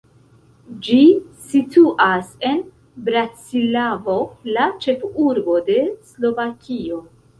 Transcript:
Ĝi situas en Bratislavo, la ĉefurbo de Slovakio.